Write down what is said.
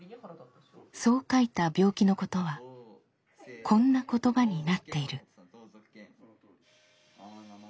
そう書いた病気のことはこんな言葉になっている。